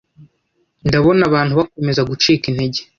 Ndabona abantu bakomeza gucika intege